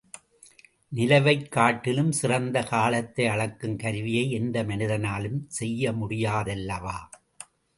நிலவைக் காட்டிலும் சிறந்த காலத்தை அளக்கும் கருவியை எந்த மனிதனாலும் செய்யமுடியாதல்லவா?